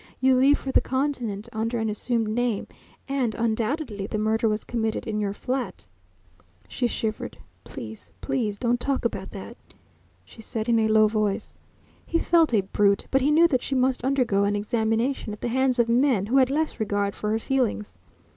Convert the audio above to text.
You leave for the Continent under an assumed name, and undoubtedly the murder was committed in your flat." She shivered. "Please, please don't talk about that," she said in a low voice. He felt a brute, but he knew that she must undergo an examination at the hands of men who had less regard for her feelings.